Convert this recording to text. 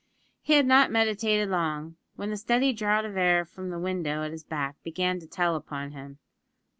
He had not meditated long, when the steady draught of air from the window at his back began to tell upon him.